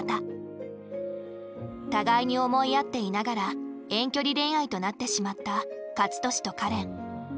互いに思い合っていながら遠距離恋愛となってしまった勝利とかれん。